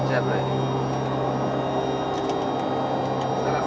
ini getarannya terasa seperti sebuah kata kata